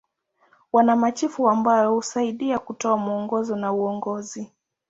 Wana machifu ambao husaidia kutoa mwongozo na uongozi.